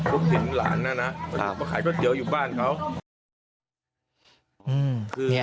ผมเห็นหลานแล้วนะมาขายรถเยอะอยู่บ้านเขา